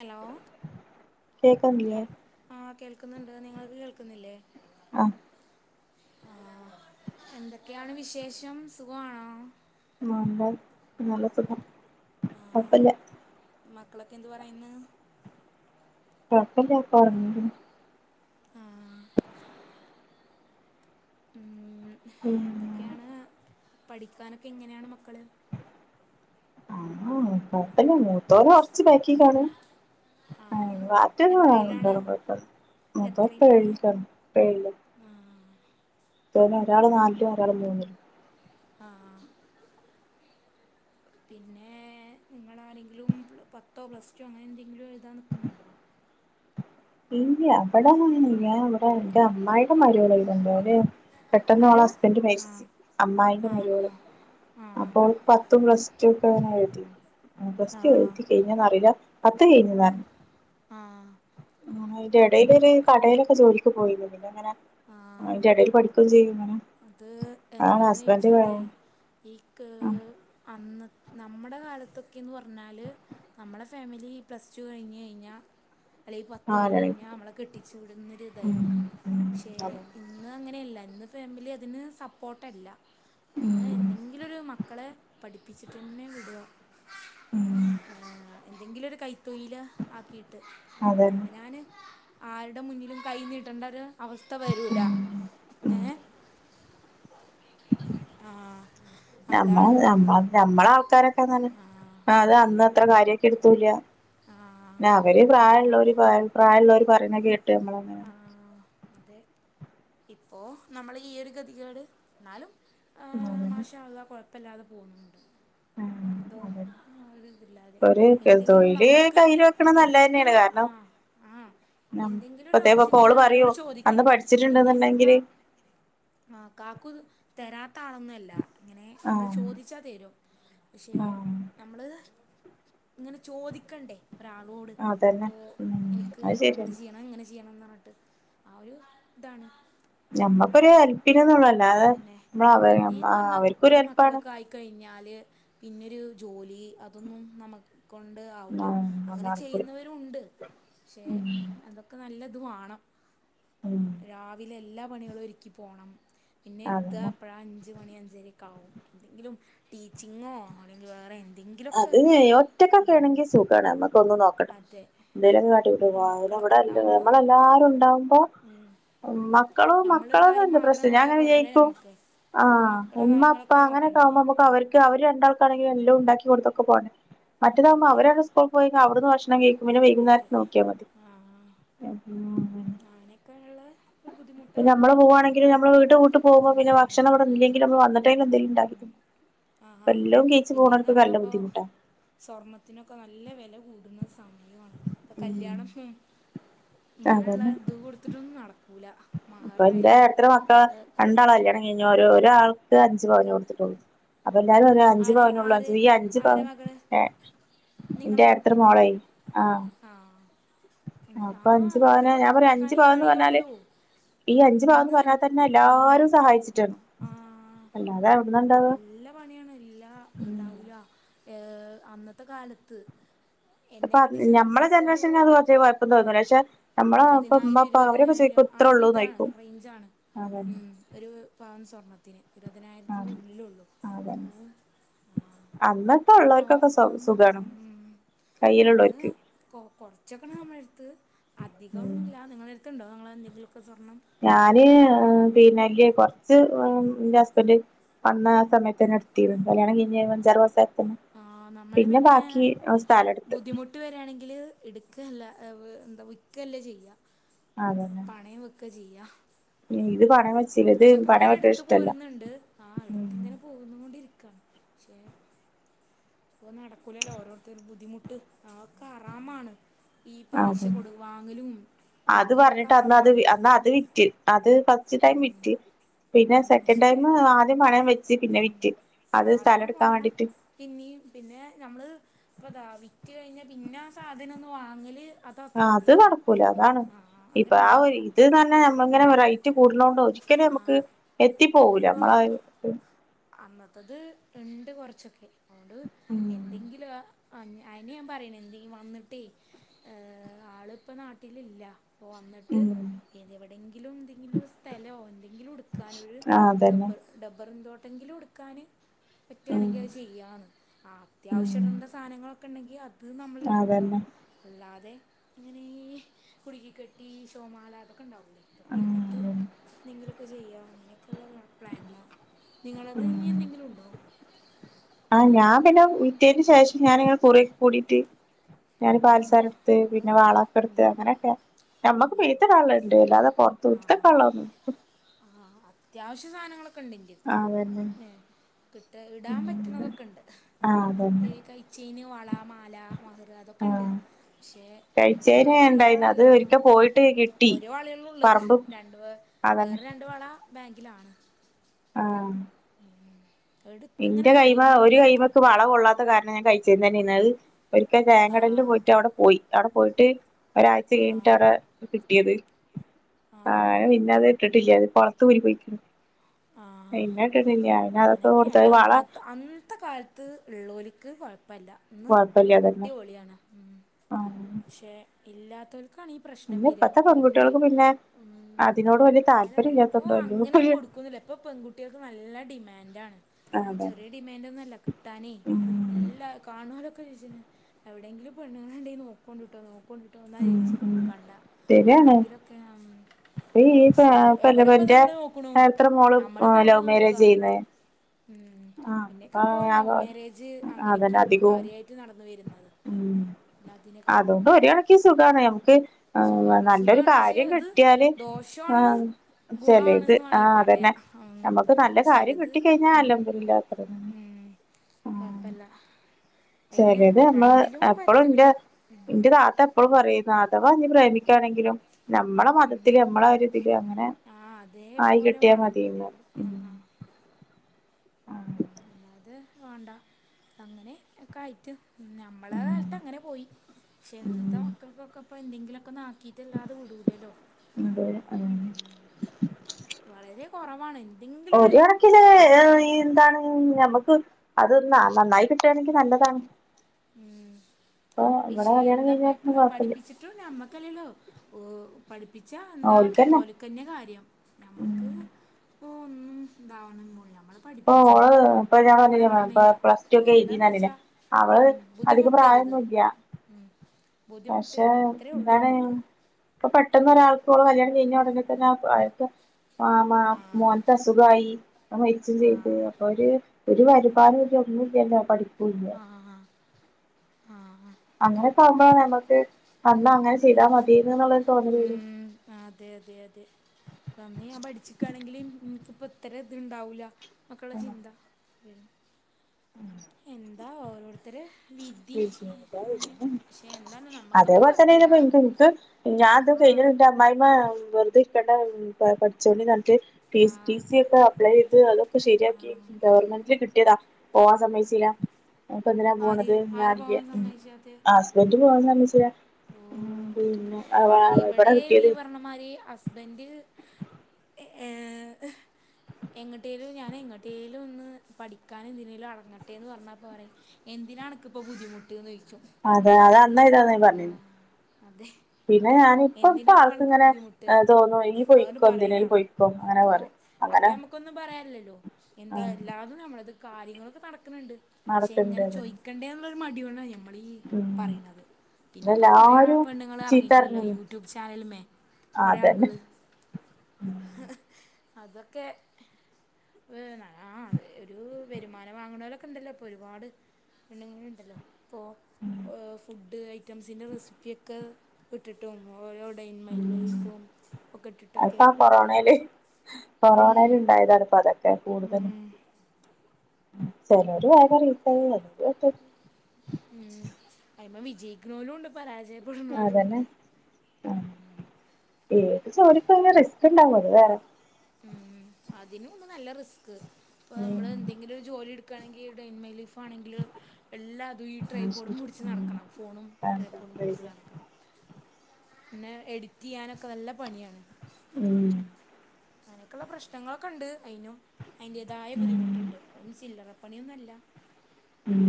Hello ആ കേൾക്കുന്നില്ലേ കേ- കേൾക്കുന്നുണ്ട് നിങ്ങൾക്ക് കേൾക്കുന്നില്ലേ ആ ആ എന്തൊക്കെയാണ് വിശേഷം സുഖമാണോ [unintelligible] നല്ല സുഖം കൊഴപ്പില്ല ക്കെന്ത് പറയന്ന് കുഴപ്പില്ല പറ ആ ഉം പിന്നെ എന്തൊക്കെയാണ് പഠിക്കാനൊക്കെ എങ്ങനെയാണ് മക്കള് കൊഴപ്പില്ല മൂത്തോള് കുറച്ച് ബാക്കിക്കാണ് ആ ബാക്കിയുള്ള എത്രയിലാണ് രണ്ടാളും കൊഴപ്പില്ല മുത്തോള് ഇപ്പോ എത്രയിലാണ് ഏഴിക്കാണ് ഇപ്പോ ഏഴില് ആ ഒരാള് നാലിലും ഒരാൾ മൂന്നിലും ആഹ പിന്നെ നിങ്ങള ആരെങ്കിലും പത്തോ പ്ലസ്ടു അങ്ങനെ എന്തെങ്കിലും എഴുതാൻ നിക്കുന്നുണ്ടോ ഇല്ല ഇവിടൊന്നും അങ്ങനെയില്ല ഇവിടെ എന്റെ അമ്മായിയുടെ മരുമോള് എഴുതുന്നുണ്ട് അവര് പെട്ടെന്നോളെ ആരോ ഹസ്ബൻഡ് ആ മരിച്ച് അമ്മായിന്റെ ആണോ മരുമോള് അപ്പോ ആ പത്തും പ്ലസ് ടു ഒക്കെങ്ങനെ എഴുതി പ്ലസ് ടു എഴുതി ആ കഴിഞ്ഞാന്നറിയില്ല പത്ത് കഴിഞ്ഞിങ്ങ ആഹ ഇതിന്റെ ഇടയിലൊരു കടയിലൊക്കെ ജോലിക്ക് പോയിരിന്നു അങ്ങനെ ആ അയ്‌ന്റെ ഇടയിൽ പഠിക്കൂ ചെയ്യും അങ്ങനെ അത് അതാണ് എന്താന്ന് ഹസ്ബൻഡ് ചോദിച്ചാല് ആഹ് ഈ ക്ക്‌ അന്ന് നമ്മുടെ കാലത്തൊക്കെയെന്ന് പറഞ്ഞാല് നമ്മുടെ ഫാമിലി പ്ലസ് ടു കഴിഞ്ഞ് കഴിഞ്ഞാൽ അല്ലെങ്കിൽ പത്ത് കഴിഞ്ഞ് കഴിഞ്ഞാൽ നമ്മളെ കെട്ടിച്ചു ഉം വിടുന്നൊരിതായിരുന്നു ഉം പക്ഷേ അതെ ഇന്ന് അങ്ങനെയല്ല ഇന്ന് ഫാമിലിയ അതിന് സപ്പോർട്ടല്ല ഇന്ന് ഉം എന്തെങ്കിലും ഒരു മക്കളെ പഠി പഠിച്ചിട്ടെന്നെ വിടുക ഉം [unintelligible] എന്തെങ്കിലും ഒരു കൈ തൊഴിൽ ആക്കിയിട്ട് അതന്നെ അതെ ഞാൻ ആരുടെ മുന്നിലും കൈ നീട്ടണ്ടത് അവസ്ഥ വരൂല ഉം ഏ നമ്മളെ അതാണ് നമ്മളെ നമ്മളെ ആൾക്കാരൊ ആ അത് അന്ന് അത്ര കാര്യാക്കി എടുത്തൂല്ല ആ അവര് അതാണ് പ്രായമുള്ളവര് പ്രായമുള്ളവര് ഇപ്പൊ നമ്മൾ ഈ ഒരു ഗതികേട് അപ്പൊ ആ അതന്നെ മാഷാ അള്ളാ കുഴപ്പം ഇല്ലാതെ പോകുന്നുണ്ട് എന്തോ അതന്നെ പിന്നെ ഒരു എങ്കിലും തൊഴില് നമ്മക്ക് കയ്യില് വെക്കണ നല്ലതന്നെയാണ് എന്തെങ്കിലും കാരണം ഇപ്പത്തേപ്പ ഓള് ആവിശ്യത്തിന് അവരുട് പറയും ചോദിക്കാൻ- അന്ന് [unintelligible] പിന്നെന്നു പഠിച്ചിട്ടുണ്ടെന്നുണ്ടെങ്കില് പറന്നാൽ [unintelligible] താരത്ത അളൊന്നും അല്ല ഇങ്ങനെ നമ്മളു ആഹ് ചോദിച്ചാൽ തരും ആഹ് ഇങ്ങനെ ചോദിക്കണ്ട എനിക്ക് ഒരാളോട് അതന്നെ ഉം എനിക്ക് അത് അങ്ങനെ ശരിയാണ് ചെയ്യണം ഇങ്ങനെ ചെയ്യണം എന്ന് - ആ ഇതാണ് ഞമ്മക്കൊരു ഒരു ഹെല്പ്പിന് എന്നുള്ളതല്ലാതെ പിന്നെ പിന്നെയെന്ന് അവർക്കൊരു ഹെൽപ്പാണ് യ് പിന്നൊരു ജോലി അതൊന്നും നമ്മക്ക് കൊണ്ട് ആവുല്ല അങ്ങനെ നടക്കൂല ചെയ്യുന്നവരുണ്ട് പക്ഷെ ഉം അതൊക്കെ നല്ലെ ന്തുവാണോ ഉം രാവിലെ എ ല്ലാ പണികളും ഒരുക്കി പോണം പിന്നെ എത്തുക അതന്നെ എപ്പഴാ അഞ്ച് ഞ്ച് മണി അഞ്ചരയൊക്കെയാകും എന്തെങ്കിലും ടീച്ചിങ്ങോ അല്ലെങ്കി വേറെ എ അതെ ഈ ഒറ്റയ്ക്കൊക്കെ ആണെങ്കി സുഖാണ് നമുക്ക് ഒന്നും നോക്കണ്ട അതെ എന്തെലുവൊക്കെ കാട്ടിക്കൂട്ടാം രാവിലെ മക്കളൊക്കെ ഇവിടെ അല്ലെ ഉണ്ടാവുമ്പോൾ നമ്മളെല്ലാരും ഉണ്ടാകുമ്പോ ഓ മക്കള് നമ്മളൊരു മക്കടേത് കാര്യം വല്ല്യ മാത്രം പ്രശ്നവില്ല നോക്കിയാൽ പോരല്ലോ ഞാങ്ങനെവിചാരിക്കും നമുക്ക് ആ നമുക്ക് മക്കളുടെ ഉമ്മ അപ്പ കാര്യങ്ങളൊക്കെ നോക്കണ്ടേ അങ്ങനെയൊക്കെയാകുമ്പം നമുക്ക് അവർക്ക് അവര് ഉണ്ടാക്കാണെങ്കിൽ വെല്ലോ ഉണ്ടാക്കി ളുപ്പവാണ് ആ മറ്റേതാകുമ്പോ അതെ അവരവരുടെ ഇഷ്ടം പോയി [unintelligible] എല്ലാം കേക്കും പിന്നെ അതെ വൈകുന്നേരം നോക്കിയാമതി ആ അ ഉം ഉം അങ്ങനെയൊക്കെ ഉള്ള ഒരു ഇപ്പോ ബുദ്ധിമുട്ടാണ് നമ്മള് പോവാണെങ്കില് നമ്മള് ഇവിടം വിട്ട് പോകുമ്പോ പിന്നെ വർഷങ്ങള് ഇവിടെ ഇല്ലെങ്കിലൊന്ന് വന്നിട്ട് ണ്ടാക്കിക്കും വല്ലതും ഏച്ച് പോകാന് എന്നാപോ സ്വർണത്തിനൊക്കെ നല്ല വെല കൂടുന്ന സമയമാണ് ഇപ്പൊ ഉം കല്യാണം അങ്ങനെ യുള്ള അതന്നെ ഇതു കൊടുത്തിട്ടൊന്നും നടക്കൂല്ല.. ഇപ്പൊ എന്തെ എത്ര മക്കളാ രണ്ടാള കല്യാണം കൊടുക്കലായാലും കഴിഞ്ഞ് ഒരാളെ [unintelligible] അഞ്ച് പവന് കൊടുത്തിട്ടുള്ളൂ അപ്പൊ എല്ലാരും ഒരു അഞ്ചു ആരെ പവന ഉള്ള ആരെ ഈ അഞ്ചു ആരെ പവൻ മകള് ഏ നിങ്ങളെ എന്റെ എത്ര കുട്ടിൻ്റെ നാളായി ആഹ ആ ഉം, ആ അപ്പൊ അഞ്ചു അത്ര പവന ഞാൻ പറയും ഒരു അഞ്ചു കൊടുക്കാനേ പവൻന്ന് പറഞ്ഞാല് കഴിയുള്ളൂ ഈ അഞ്ചു ഇന്ന് പവനെന്ന് പറഞ്ഞാൽ അഞ്ച് തന്നെ ഉം, എല്ലാരും സഹായിച്ചിട്ടാണ് ആ അല്ലാതെ എവിടുന്നാ ഇണ്ടാവാ നല്ല പണിയാണ് എല്ലാ ഉം ഉണ്ടാവൂല്ല ഏ അന്നത്തെ കാലത്ത് എന്നെ ഇപ്പൊ കെട്ടിച്ച കാലത്ത് ഞമ്മളെ ഇപ്പോരു ജനറേഷന് അത് കുറച്ച് കുഴപ്പം ആ തോന്നൂല പക്ഷെ നമ്മളെ ഇപ്പ ഉമ്മ പതിനായിരം ഉപ്പ അവരൊക്കെ ഇരുപതിനായിരം ചോദിക്കും ആ ഇത്ര ഒര് ഉള്ളൂന്ന് ഇതാണ് ചോദിക്കും റേഞ്ചാണ് അതന്നെ ഒരു പവൻ സ്വർണ്ണ [inaudible] [unintelligible] ആഹ് ഉള്ളിലൊള്ളു ആ അതന്നെ അന്നത്തെ ഇത്ര പവം ഉള്ളവർക്കൊക്കെ സു വാങ്ങാ സുഖാണ് ഉം ഉം അന്ന് കയ്യിലുള്ളോർക്ക് കൊറച്ചൊക്കെ നമ്മളേട്ത്ത് അധികം ഒന്നുല്ല നിങ്ങളേ ത്ത്ണ്ടോ നിങ്ങളെന്തെങ്കിലും ഞാന് ആ പിന്നെ കൊറച്ച് മ്മ് എന്റെ ഹസ്ബൻഡ് വന്ന ആ സമയത്ത് തന്നെ എട്ത്തിരുന്നു കല്യാണം കഴിഞ്ഞ അഞ്ചാറ് മാസ ആ നമ്മള് പിന്നെ സ്ഥലം എടുത്ത് ബുദ്ധിമുട്ട് വരാണെങ്കിൽ എട് ക്കല്ല എന്താ വിക്ക്ല്ല ചെയ്യാ അതെല്ലേ ക്കെ ചെയ്യാ ഇത് കൊറച്ചൊക്കെ പണയം വെക്കണ ഇങ്ങനെട്ത്ത് ഇഷ്ടല്ല പോരുന്നുണ്ട്. ആ ഉം ഇട്ത്ത്ങ്ങനെ പൊന്നോണ്ടിരിക്ക ക്ഷേ ഇപ്പോ നടക്കുലല്ലോ ഓരോര്ത്തരു ബുദ്ധിമു അതോക്കെ ഹറാമാണ് ഈ പലിശ അതെ കൊടു വാങ്ങലും അത് കൊടുക്കലൊക്കെ പറഞ്ഞിട്ട് അന്ന്ത് ഹറാമാണ് അ അത് വിറ്റ് അത് പ [unintelligible] വിറ്റ് പിന്നെ ഉം സെക്കൻഡ് പക്ഷേ ടൈം ആദ്യം പണയം വെച്ച് പിന്നെ ഉം വിറ്റ് അത് സ്ഥലം സാധനം എടുക്കാൻ വാണം വേണ്ടിട്ട് പിന്നിം പിന്നെ നമ്മള് ഇപ്പതാ വി റ്റ് കഴിഞ്ഞാ പിന്നെ ആ സാധനൊന്ന് വാങ്ങൽ ആ അത് നടണക്കൂല അതാണ് ഇപ്പൊ ആ ഒരു അത്ണ്ടാവൂല ഇത് നമ്മ ഇങ്ങനെ റൈറ്റ് കൂട്ണോട് ഒരിക്കലും നമക്ക് ആഹ് എത്തി പോകൂല നമ്മളാത് അന്നത്തത്ണ്ട് കൊറച്ചൊക്കെ അത് ഉം എന്തെങ്കിലും ആ ആ അയിന് ഞാൻ പറായ്ണേ എന്തേം വന്ന്ട്ടേ ഏ ആള്പ്പം നാട്ടിലില്ല അപ്പോ വന്ന്ട്ട് ഉം ഏതോ എവിടെയെങ്കിലും ന്തെങ്കിലും സ്ഥലൊ എന്തെങ്കിലും ഇട് ക്കാനൊരു ആഹ് അതന്നെ ഡബർ ഡബ്ബറ് തോ എന്തെങ്കിലുട്ക്കാൻ ഉം പറ്റാണെങ്കി അത് ചെയ്യാന്ന് അത്യാവശ്യ ഉം ഇടേണ്ട സാധനങ്ങളൊ ക്കെണ്ടെങ്കി അ ത് നമ്മളെട്ക്ക അതന്നെ അല്ലാതെ ഇങ്ങനെ കുട്ക്കി കെട്ടി ഷോ മാലാക തൊക്കേണ്ടാവുല്ലേ ഇതോക്കെട്ത്ത്ട്ട് ഉം എന്തെങ്കിലും ഉ ചെയ്യുക പ്ലാനല്ല നിങ്ങളത് ഇനി ഉം എന്തെങ്കിലും ഉണ്ടോ ആഹ് ഞാൻ പിന്നെ വിറ്റേന് ശേഷം ഞാനിങ്ങനെ കുറക്കെ കൂടിട്ട് ഞാൻ ആ പാതസൊരം എടുത്ത് അത് പിന്നെ വളൊക്കെ എടുത്ത് ഉം. അങ്ങനെയൊക്കെയ നമ്മക്ക് പെയ്ത്ത കള്ളുണ്ട് അല്ലാതെ പൊറത്ത ആ വിടുത്ത ആ കള്ളൊന്ന അത്യാവശ്യ സാധനങ്ങൾക്ക ക്കണ്ട് ഇൻന്റെ അടുത്ത് അതന്നെ കിട്ട ഇടാൻ ഉം പറ്റുന്നതൊക്കെ ഉണ്ട് ആഹ് ഈ അതന്നെ കൈച്ചേന് വള മാല മഹർ അതൊക്കെ ഉണ്ട് ആഹ് പക്ഷേ കഴിച്ചേന് ഇണ്ടായിന്ന് അത് വേറള്ളതാണല്ലാത്ത ഒരിക്ക പോയിട്ട് കിട്ടി ഒരു വളയ ഉള്ളത് പറമ്പ് രണ്ട് അതന്നെ വേറെ രണ്ട് വള ആങ്കിലാണ് ആ എടുത്തിങ്ങനെ എന്റെ കൈമ ഒരു പോരുന്നുകൊണ്ടിരിക്ക കൈമക്ക് വള കൊള്ളാത്ത കാരണം ഞാൻ കഴ കൈയ് ചെയിൻ തന്നെ ഇടൽ ഒരിക്കൽ ആ തേങ്ങടലിൽ പോയിട്ട് അവിടെ പോയി അവിടെ പോയിട്ട് ഒരാഴ്ച ആ കഴിഞ്ഞിട്ട് അവിടെ കിട്ടിയത് ആ പിന്നെ അത് ഇട്ടിട്ടില്ല പുറത്തു ഊരി പോയിക്കണ് [unintelligible] കൊടുത്തത് അനൊക്കെയാണ് വള അന്നത്തെ അന്നത്തെ കാലത്ത് ഉള്ളോലി ക്ക് വ അപ്പല്ല ഇന്ന് കൊഴപ്പല്ല അതന്നെ അടിപൊളിയാണ് ആഹ് പക്ഷേ ഇല്ലാത്തൊരു പ്രശ്നം പിന്നെ വര ഇപ്പത്തെ എന്ന പെൺകുട്ടികൾക്ക് പിന്നെ അതിനോട് വലിയ അല്ല താല്പര്യം ഇപ്പോ ഇല്ലാത്തോണ്ടോ അല്ലെങ്കിപ്പോ അങ്ങനൊന്ന് കൊടുക്കുന്നില്ല ഇപ്പ പെൺകുട്ടികൾക്ക് നല്ല ടി നല്ലാണ് അതെ ചെറിയ ടിമാൻ്റ് ഒന്നും അല്ല കിട്ടാനെ ഉം എല്ലാർക്കും ആണൊക്കെോിച്ചി എവിടെയെങ്കിലും പെണ്ണുങ്ങൾ ഉണ്ടെങ്കി നോണ്ടിട്ടോ കൊണ്ടട്ട് വന്നാ ഉം ചോയിച്ച ഉം കണ്ട ശരിയാണ് ആരെങ്കിലുമൊക്കെ ഈ പക്ഷേ എവിടെപ്പം കൊല്ലവന്റെ നമ്മൾ നോക്കണു എത്ര മോള് നമ്മളിപ്പോൾ എവിടെ ലവ് നോക്കുക മോരേജ് ചെയ്യുന്നു ന്നെ ഉം പിന്നെക്കെ അപ്പ ലവ് മാരേജ് അതന്നെ അങ്ങനൊക്കെയാണല്ലോ അധികവും കാര്യമായിട്ട് നടന്ന് വരുന്നത് ഉം എല്ലാത്തിെക്കാട്ടിലും അതുകൊണ്ട് ഒരു കണക്ക് സുഖാണ് നമുക്ക് സുഖ നല്ലൊരു സുഖമാണ് പക്ഷെ കാര്യം അത് കിട്ടിയാല് ദോഷമാണ് ആഹ് ചെലേത് ഗുണമാണ്ന്ന് വേണെങ്കിൽ പറയാ ഉം കാര്യ കിട്ടി കഴിഞ്ഞാലല്ല ത്ര ആ കുഴപ്പമില്ല അതിന് ചെലത് നമ്മള് രണ്ടിലും എപ്പോളും പറ്റൂല എന്റെ എന്റെ താത്ത എപ്പോൾ പറയും അഥവാ നീ പ്രേമിക്കാണെങ്കിലും നമ്മളെ മതത്തില് നമ്മള ആ ഒരിതില് അങ്ങനെ ആ ആയി അതേപോലെ കിട്ടിയാൽ വേണം മതിന്ന് അല്ലാതെ വേണ്ട അ അങ്ങനെ ഒക്കെ ആയിട്ട് നമ്മളെ കാലത്ത് അങ്ങനെ പോയി പക്ഷെ ഇന്നത്തെ മക്കൾക്കൊക്കെ ഇപ്പോ എന്തെങ്കിലൊക്കെ അതെ അതെ വളരെ കുറവാണ് എന്തെങ്കിലും ഒരു ഒരുകണക്കിന് ചെറിയ എന്താണ് ഞമ്മക്ക് അതൊന്നാ നന്നായി കിട്ടുകവായാണെങ്കിൽ നല്ലതാണ് ഉം ഇപ്പൊ ഇവിടെ പക്ഷെ കല്യാണം എന്താപ്പ കഴിഞ്ഞാ കൊഴപ്പല്ല പഠിപ്പിച്ചിട്ടും ഞമ്മക്കല്ലേല്ലോ പഠിപ്പിച്ച എന്താ ഓൽക്കന്നെ ഓലക്കന്നെ കാര്യം ഞമ്മക്ക് ഇപ്പോൾ ഒന്നും ഇതാവണം ഒന്നൂല്ല ഇപ്പൊ ഓള് ഇപ്പൊ ഞാൻന്നി ഇപ്പ ചെയ്യുക പ്ലസ് ടു ഒക്കെ എന്താന്ന് എഴതിന്നില്ലേ വെച്ചാ അവള് ഉം, അധികം പ്രായം ബുദ്ധിമുട്ടരുത് നോക്കിയ ഉം. പക്ഷെ ബുദ്ധിമുട്ടരുത് അത്രേ ഉള്ളൂ എന്താണ് നമുക്ക് ഇപ്പൊ പെട്ടെന്നൊരാൾക്ക് ഓള കല്യാണം കഴിഞ്ഞ ഉടനെ തന്നെ [unintelligible] ആ മോന്ക്ക് അസുഖമായി ആ ചെയ്ത് അപ്പൊ ഒരു വരുമാനവുമില്ല ഒന്നും ഇല്ലല്ലോ പഠ ആഹ് ആഹ് ആഹ് അങ്ങനെ പോകുമ്പോഴ നമ്മക്ക് അന്ന് അതെ ഉ വരും അതെ അതെ അതെ നമ്മി ഞാൻ പഠിച്ചിക്കാണെങ്കിൽ ഇന്ന് ഇപ്പ ഇത്ര ഇത് ഇണ്ടാവൂല്ല മക്കള ചിന്ത [inaudible] ഉം അതാ ഓരോരുത്തര് വിധി അങ്ങനെ പക്ഷെ എന്താലും നമുക്ക് പോവാ നക്ക് ഞാനെന്തൊ കഴിഞ്ഞ എന്റെ അമ്മായിമ്മ വെറുതെ ഇരിക്കണ്ട പഠിച്ചോണ്ടി ആ ടി സി ഒക്കെ അപ്ലൈ ചെയ്ത് അതൊക്കെ ആ. ശരിയാക്കി ഗവൺമെന്റിൽ കിട്ടിയതാ പോവാൻ സമ്മയിച്ചില്ല അപ്പൊ എതിനാ പോ ആര് ആരെ പോകാൻ സമ്മതിച്ചാത്ത ഹസ്ബൻഡ് സാ മച [unintelligible] ഉം ഇവിടെ ഈ പറർണമാര് ഹസ്ബൻഡ് ഏ എങ്ങോട്ടേലും ഞാൻ എങ്ങോട്ടേലും ഒന്ന് പഠിക്കാന എന്തിനേലും അറങ്ങട്ടെ എന്ന് പറഞ്ഞാൽപ്പോൾ പറയും എന്തിനാണ്ണക്ക ഇപ്പോൾ ബുദ്ധിമുട്ട്ന്ന് ചോയിക്കും അതെ അത എന്നാ ഇതാ പറഞ്ഞന്ന് അതെ പിന്നെ ഞാനിപ്പ ഇപ്പൊ എന്തിനാപ്പ ആർക്ക അനക്ക് ഇങ്ങനെ ബുദ്ധിമുട്ട് തോന്നും ഈ അതോണ്ട് പൊയ്ക്കോ എന്തിനതിനൽ പറയുന്നാള് പൊയ്ക്കോ അങ്ങനെ അപ്പോ പറയും അപ്പ അങ്ങനെ നമുക്കൊന്നും പറയാനില്ലല്ലോ ആ എന്താ എല്ലാതും നമ്മളത് കാര്യങ്ങളൊക്കെ നടക്ക ണ്ട് പക്ഷെ എങ്ങനെ അതന്നെ ചോദിക്കണ്ടേ എന്നുള്ള മടിയോട ന മ്മളെ ഉം പറയുന്നത് പിന്നെ ഇപ്പ കൊറെേ എല്ലാരും പെണ്ണുങ്ങൾ ഇറങ്ങിക്കോളല്ലോ ചീത്തറിഞ്ഞീനി യൂട്യൂബ് ചാനൽമേ ആഹ് കുറെ അതന്നെ ആളുകള് അതൊക്കെ വ ആ ഒരു വരുമാനം വാങ്ങണലൊക്കെ ഉണ്ടല്ലോ ഇപ്പൊ ഒരുപാട് പെണ്ണുങ്ങ ഉണ്ടല്ലോ പ്പോൾ [unintelligible] ഫുഡ്‌ ഐറ്റംസിന്റെ റെസിപ്പിയക്കെ [unintelligible] ഇട്ടിട്ടും ഒ ഉം ഒക്കെ ഇട്ടിട്ടൊക്കെ അപ്പ കൊറോണൽ ഉം കൊറോണൽ ഇണ്ടായതാണ്പ്പ അതൊക്കെ കൂടുതലും ഉം ചിലരു [unintelligible] ഉം ആയിമ [unintelligible] ജയിക്കുന്നോലുണ്ട് പരാജയപ്പെടുന്നവരുണ്ട് അതന്നെ ആഹ് ഏത് ജോലിക്കും അതിന്റെ റിസ്ക് ഇണ്ടാവുല്ലോ വേറെ ഉം അതിനും ഒന്ന് നല്ല റിസ് ക്ക് ഇപ്പ നമ്മള് ഉം എന്തെങ്കിലും ഒരു ജോലി എടു ക്കണമെകില്ലേ ഡേ മൈ ലൈഫ് ഇപ്പോ ആണെങ്കില് എല്ലാ അതും ഈ ട്രേ അത് പോഡും പിടിച്ച് നടക്കണം ഫോണും ട്രേ പോഡും ശരി പിടിച്ച് നടക്കണം പിന്നെ എഡിറ്റ് ചെയ്യാനൊക്കെ നല്ല പണിയാണ് ഉം അങ്ങനെയൊക്കെയുള്ള പ്രശ്നങ്ങളൊക്കെ ഉണ്ട് അയിനും അതിന്റേതായ ഉം ബുദ്ധിമുട്ടുണ്ട് ചില്ലറ പണിയൊന്നുല്ല ഉം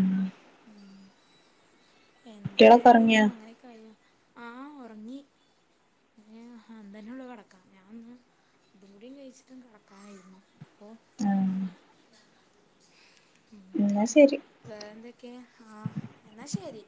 ട്ടികളെയൊക്കെ എന്തായാലും ഉറങ്ങിയോ അങ്ങനെയൊക്കെ ആയ ആ ഉറങ്ങി അന്തന്നെ ഉള്ളൂ കിടക്കാം ഞാനൊന്ന് അതും കൂടും കഴിച്ചിട്ടും കിടക്കാനായിരുന്നു അപ്പൊ ആഹ് എന്നാ ശരി വേറെന്തൊക്കെ ആ എന്ന ശെരി